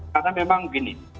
karena memang gini